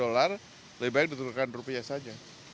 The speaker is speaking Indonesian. lebih baik betulkan rupiah saja